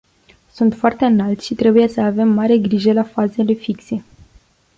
Sunt foarte înalți și trebuie să avem mare grijă la fazele fixe.